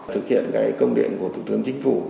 thực hiện cái công điện của thủ tướng chính phủ